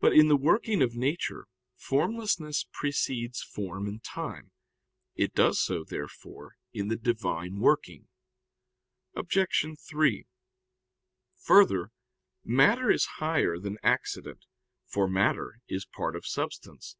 But in the working of nature formlessness precedes form in time. It does so, therefore, in the Divine working. Obj. 3: Further, matter is higher than accident, for matter is part of substance.